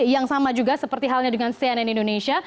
yang sama juga seperti halnya dengan cnn indonesia